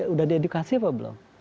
udah di edukasi apa belum